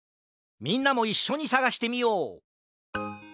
みんなもいっしょにさがしてみよう！